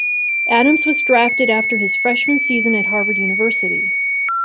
Adams was drafted after his freshman season at Harvard University.